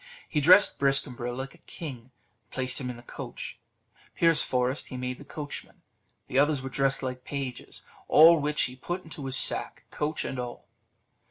He dressed Briscambril like a king, and placed him in the coach; Pierceforest he made the coachman; the others were dressed like pages; all which he put into his sack, coach and all.